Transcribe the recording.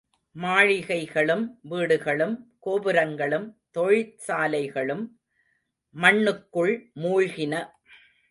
மாளிகைகளும், வீடுகளும், கோபுரங்களும், தொழிற்சாலைகளும் மண்ணுக்குள் மூழ்கின.